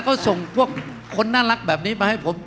ก็ส่งพวกคนน่ารักแบบนี้มาให้ผม